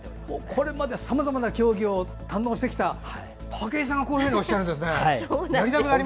これまでさまざまな競技を堪能してきた武井さんが、こういうふうにおっしゃるんですね。